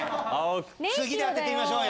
次で当ててみましょうよ。